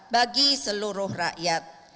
bagi seluruh rakyat